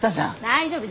大丈夫。